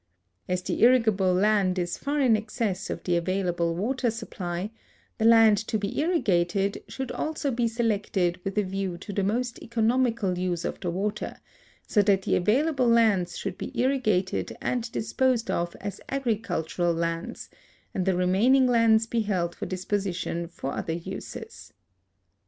As the irrigable land is far in excess of the available water supply, the land to l)e irrigated should also be selected with a view to tlie most eco noiuical use of the water, so that the available lands should be irrigated and disposed of as agricultural hinds, and the reuiain ing lands be held for disposition for other uses.